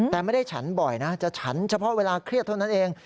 แต่ไม่ได้ฉันบ่อยนะจะฉันเฉพาะเวลาเครียดเท่านั้นเอง